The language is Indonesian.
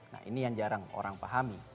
nah ini yang jarang orang pahami